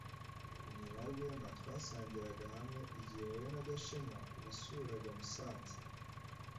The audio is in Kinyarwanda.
Jye na Rwema twasangiraga hamwe igihe wowe na Gashema wasuraga Musanze.